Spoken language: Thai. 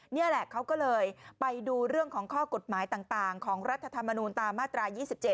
นี่แหละเขาก็เลยไปดูเรื่องของข้อกฎหมายต่างของรัฐธรรมนูลตามมาตรา๒๗